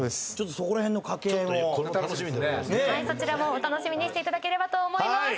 そちらもお楽しみにしていただければと思います。